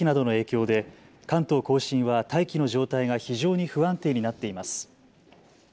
暖かく湿った空気などの影響で関東甲信は大気の状態が非常に不安定になっています。